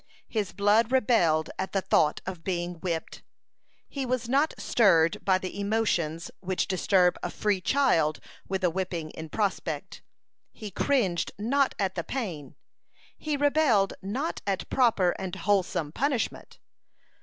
His blood rebelled at the thought of being whipped. He was not stirred by the emotions which disturb a free child with a whipping in prospect. He cringed not at the pain, he rebelled not at proper and wholesome punishment.